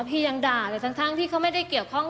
พี่ยังด่าเลยทั้งที่เขาไม่ได้เกี่ยวข้อง